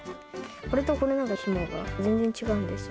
これとこれなんて、ひもが全然違うんですよ。